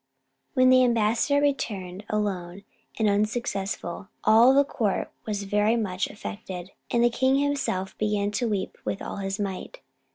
When the ambassador returned, alone and unsuccessful, all the court was very much affected, and the king himself began to weep with all his might.